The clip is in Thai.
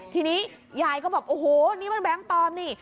ทีนี้ยายก็บอกโอ้โหนี่มันแบงค์ปลอมนี่